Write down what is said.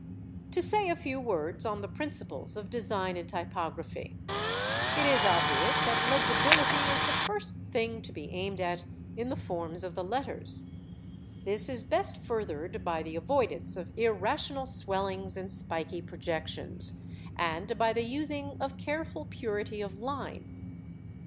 To say a few words on the principles of design in typography: it is obvious that legibility is the first thing to be aimed at in the forms of the letters; this is best furthered by the avoidance of irrational swellings and spiky projections, and by the using of careful purity of line.